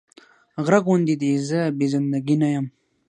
غره غوندې دې زه بې زنده ګي نه يم